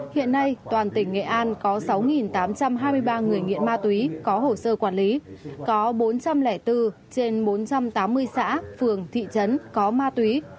hiện nay toàn tỉnh nghệ an có sáu tám trăm hai mươi ba người nghiện ma túy có hồ sơ quản lý có bốn trăm linh bốn trên bốn trăm tám mươi xã phường thị trấn có ma túy